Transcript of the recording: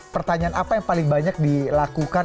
pertanyaan apa yang paling banyak dilakukan